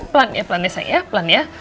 pelan ya pelan ya sayang ya pelan ya